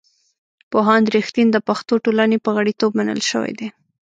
پوهاند رښتین د پښتو ټولنې په غړیتوب منل شوی دی.